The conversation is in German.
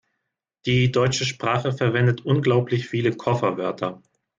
Die deutsche Sprache verwendet unglaublich viele Kofferwörter.